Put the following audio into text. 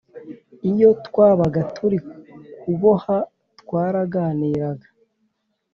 iyo twabaga turi kuboha twaraganiraga.